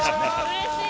◆うれしい。